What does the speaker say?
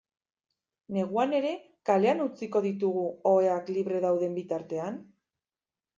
Neguan ere kalean utziko ditugu, oheak libre dauden bitartean?